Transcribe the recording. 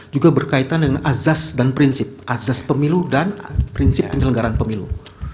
juga berkaitan dengan azas dan prinsip azas pemilu dan prinsip penyelenggaran pemilu